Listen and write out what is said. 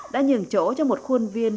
đã nhường chỗ cho một khuôn viên